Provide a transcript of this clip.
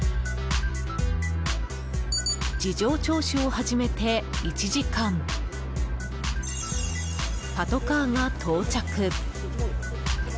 事情聴取を始めて１時間パトカーが到着。